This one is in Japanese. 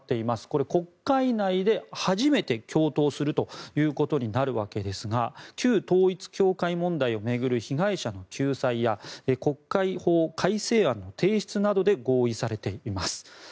これ、国会内で初めて共闘するということになるわけですが旧統一教会問題を巡る被害者の救済や国会法改正案の提出などで合意されています。